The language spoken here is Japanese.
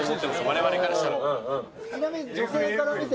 我々からしたら。